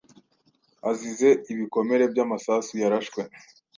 azize ibikomere by’amasasu yarashwe